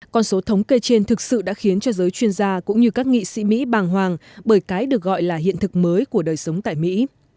con số thống kê trên thực sự đã khiến cho giới chuyên gia cũng như các nghị sĩ mỹ bàng hoàng bởi cái được gọi là hiện thực mới của đời sống tại mỹ